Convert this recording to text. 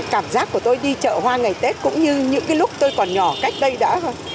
cảm giác của tôi đi chợ hoa ngày tết cũng như những lúc tôi còn nhỏ cách đây đã